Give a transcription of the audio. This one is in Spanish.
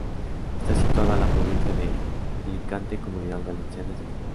Está situado en la provincia de Alicante, Comunidad Valenciana, España.